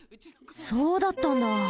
そうだったんだ。